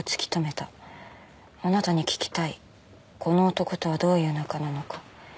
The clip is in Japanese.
「あなたに聞きたいこの男とはどういう仲なのか」